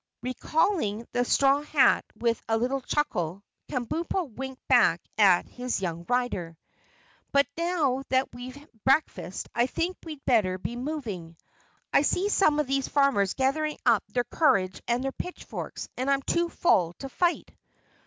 Recalling the straw hat with a little chuckle, Kabumpo winked back at his young rider. "But now that we've breakfasted I think we'd better be moving. I see some of these farmers gathering up their courage and their pitchforks and I'm too full to fight."